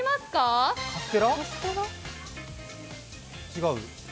違う？